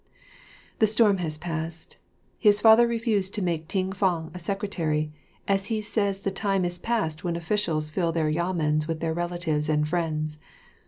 The storm has passed. His father refused to make Ting fang a secretary, as he says the time is past when officials fill their Yamens with their relatives and friends.